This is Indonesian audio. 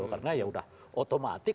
karena ya sudah otomatik